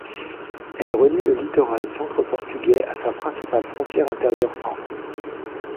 Elle relie le littoral centre portugais à sa principale frontière intérieure centre.